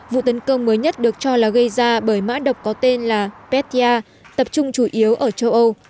vụ tấn công mới nhất được cho là gây ra bởi mã độc có tên là peta tập trung chủ yếu ở châu âu